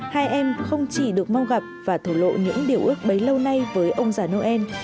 hai em không chỉ được mong gặp và thổ lộ những điều ước bấy lâu nay với ông già noel